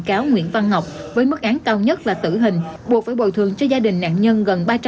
cáo nguyễn văn ngọc với mức án cao nhất là tử hình buộc phải bồi thường cho gia đình nạn nhân gần ba trăm ba mươi